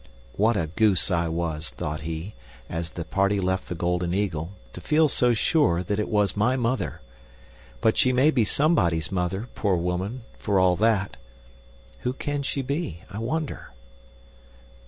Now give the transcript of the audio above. What a goose I was, thought he, as the party left the Golden Eagle, to feel so sure that it was my mother. But she may be somebody's mother, poor woman, for all that. Who can she be? I wonder.